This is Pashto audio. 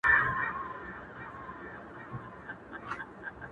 شرنګېدلي د سِتار خوږې نغمې سه,